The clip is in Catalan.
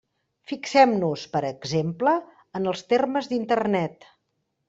Fixem-nos, per exemple, en els termes d'Internet.